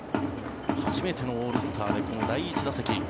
初めてのオールスターでこの第１打席。